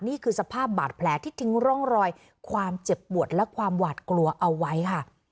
นี่คือสภาพบาดแผลที่ทิ้งร่องรอยความเจ็บปวดและความหวาดกลัวเอาไว้ค่ะ